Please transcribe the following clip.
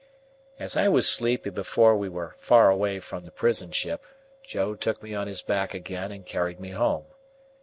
As I was sleepy before we were far away from the prison ship, Joe took me on his back again and carried me home.